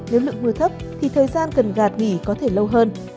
nếu lượng mưa thấp thì thời gian cần gạt nghỉ có thể lâu hơn